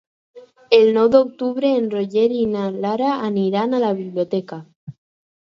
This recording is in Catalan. El nou d'octubre en Roger i na Lara aniran a la biblioteca.